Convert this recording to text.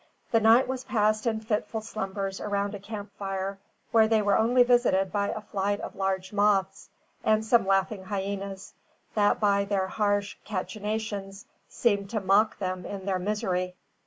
The night was passed in fitful slumbers around a camp fire, where they were only visited by a flight of large moths, and some laughing hyenas, that by their harsh cachinations seemed to mock them in their misery.